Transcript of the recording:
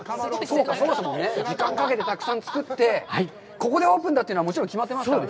そもそも時間をかけてたくさんつくって、ここでオープンだというのは決まってますからね。